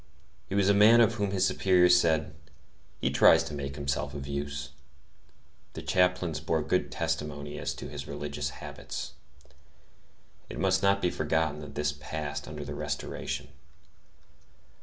He was a man of whom his superiors said, "He tries to make himself of use." The chaplains bore good testimony as to his religious habits. It must not be forgotten that this passed under the Restoration.